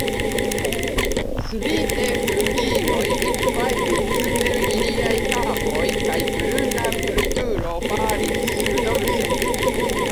Subite flugiloj ekfajfis super iliaj kapoj, kaj bruna vulturo falis surdorsen.